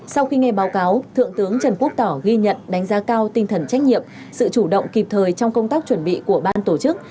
sau khi nghe báo cáo thượng tướng trần quốc tỏ ghi nhận đánh giá cao tinh thần trách nhiệm sự chủ động kịp thời trong công tác chuẩn bị của ban tổ chức